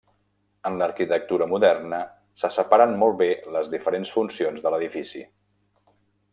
En l'arquitectura moderna se separen molt bé les diferents funcions de l'edifici.